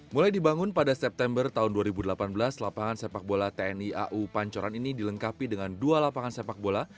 mulai dibangun pada september tahun dua ribu delapan belas lapangan sepak bola tni au pancoran ini dilengkapi dengan dua lapangan sepak bola